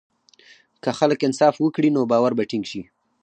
که خلک انصاف وکړي، نو باور به ټینګ شي.